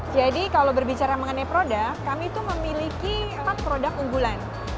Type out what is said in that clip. jadi kalau berbicara mengenai produk kami memiliki empat produk unggulan